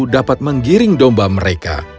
dapat menggiring domba mereka